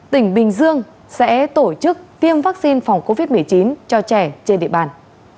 tỉnh bình dương sẽ tổ chức tiêm vaccine phòng covid một mươi chín cho trẻ trên địa bàn